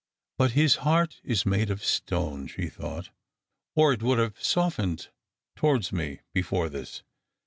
" But his heart is made of stone," she thought, " or it would have softened towards me before this.